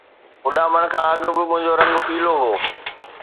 اڏامڻ کان اڳ به منهنجو رنگ پيلو هو